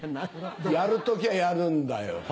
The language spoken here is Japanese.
やる時はやるんだよ。